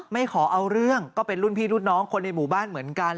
ไม่ขอเอาเรื่องก็เป็นรุ่นพี่รุ่นน้องคนในหมู่บ้านเหมือนกัน